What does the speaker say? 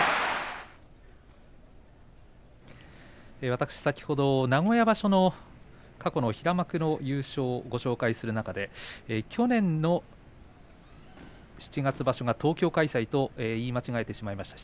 私、先ほど名古屋場所の過去と平幕の優勝をご紹介する中で去年の七月場所が東京開催と言い間違えてしまいました。